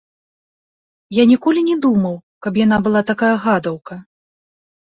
Я ніколі не думаў, каб яна была такая гадаўка.